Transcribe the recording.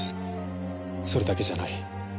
それだけじゃない。